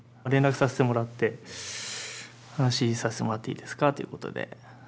連絡させてもらって話させてもらっていいですかということで。